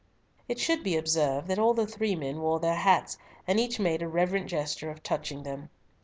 It should be observed that all the three men wore their hats, and each made a reverent gesture of touching them.